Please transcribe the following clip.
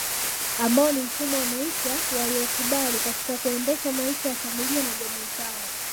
Ambao ni mfumo wa maisha walioukubali katika kuendesha maisha ya familia na jamii zao